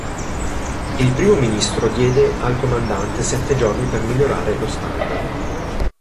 Il Primo Ministro diede al comandante sette giorni per migliorare lo standard.